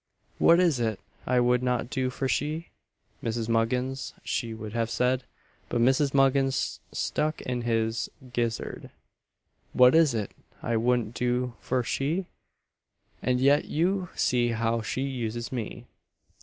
What is it I would not do for she? (Mrs. Muggins, he would have said, but Mrs. Muggins stuck in his gizzard). What is it I wouldn't do for she? And yet you see how she uses me.